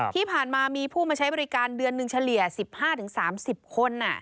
ที่ผ่านมามีผู้มาใช้บริการเดือนหนึ่งเฉลี่ย๑๕๓๐คน